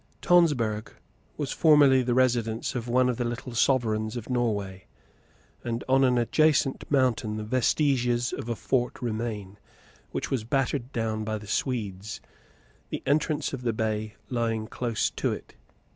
Tonsberg was formerly the residence of one of the little sovereigns of Norway; and on an adjacent mountain the vestiges of a fort remain, which was battered down by the Swedes, the entrance of the bay lying close to it.